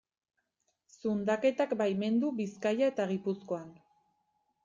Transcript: Zundaketak baimendu Bizkaia eta Gipuzkoan.